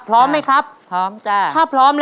เพื่อชิงทุนต่อชีวิตสุด๑ล้านบาท